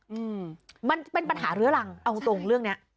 อืมมันเป็นปัญหาเรื้อรังเอาตรงเรื่องเนี้ย